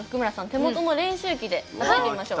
手元の練習機でやってみましょう。